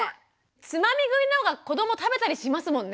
つまみ食いのほうが子ども食べたりしますもんね！